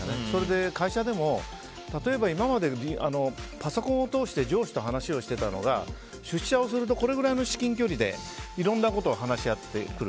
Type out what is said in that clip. それで、会社でも例えば、今までパソコンを通して上司と話をしていたのが出社をするとこれぐらいの至近距離でいろんなことを話し合ってくる。